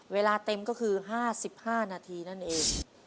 เวลาเต็มก็คือ๕๕นาทีนั่นเอง